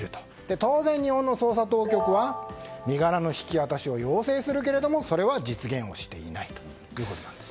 当然、日本の捜査当局は身柄の引き渡しを要請するけれどもそれは実現していないということです。